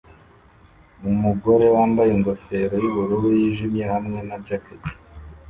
Umugore wambaye ingofero yubururu yijimye hamwe na jacket